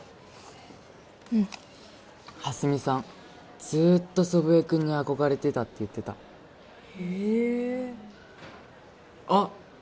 うん蓮見さんずっと祖父江君に憧れてたって言ってたへえあっ